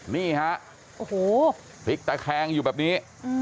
นี่ครับพิกตะแคงอยู่แบบนี้